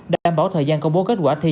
đảm bảo thời gian công bố kết quả thi